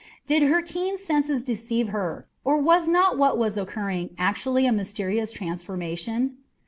Did her keen senses deceive her, or was not what was occurring actually a mysterious transformation?